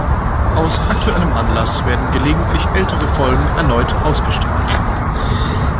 Aus aktuellem Anlass werden gelegentlich ältere Folgen erneut ausgestrahlt.